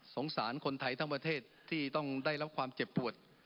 สารคนไทยทั้งประเทศที่ต้องได้รับความเจ็บปวด